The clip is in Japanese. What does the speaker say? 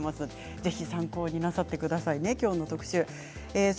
ぜひ参考になさってください